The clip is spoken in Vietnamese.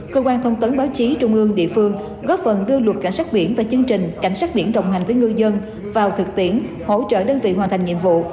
cơ quan thông tấn báo chí trung ương địa phương góp phần đưa luật cảnh sát biển và chương trình cảnh sát biển đồng hành với ngư dân vào thực tiễn hỗ trợ đơn vị hoàn thành nhiệm vụ